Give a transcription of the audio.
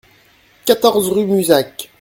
quatorze rue Muzac